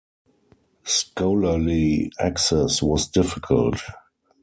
Scholarly access was difficult.